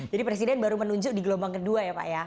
jadi presiden baru menunjuk di gelombang kedua ya pak ya